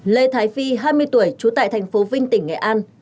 lê thái phi hai mươi tuổi trú tại thành phố vinh tỉnh nghệ an